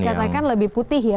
dikatakan lebih putih ya